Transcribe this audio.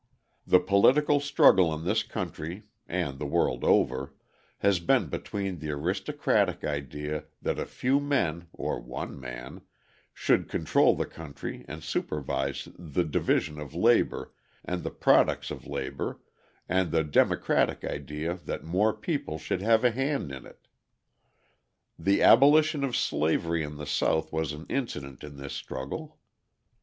The political struggle in this country (and the world over) has been between the aristocratic idea that a few men (or one man) should control the country and supervise the division of labour and the products of labour and the democratic idea that more people should have a hand in it. The abolition of slavery in the South was an incident in this struggle.